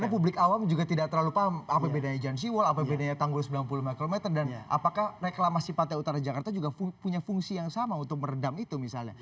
karena publik awam juga tidak terlalu paham apa bedanya giant sea wall apa bedanya tanggul sembilan puluh lima km dan apakah reklamasi pantai utara jakarta juga punya fungsi yang sama untuk meredam itu misalnya